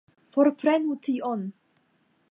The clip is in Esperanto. Forprenu tion!